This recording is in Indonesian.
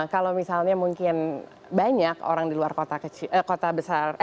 kalau misalnya mungkin banyak orang di luar kota besar